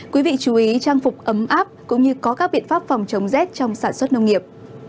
quý vị chú ý trang phục ấm áp cũng như có các biện pháp phòng chống rét trong sản xuất nông nghiệp